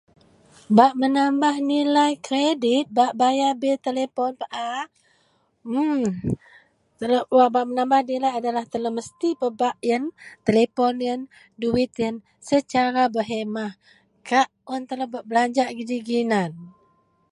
bak menambah nilai kreadit, bak bayar bil telepon paa emm nedlok bak menambah nilai adalah telou mesti pebak ien telepon ien, duwit ien secara berhemah kak un telou bak belanja gidei ginan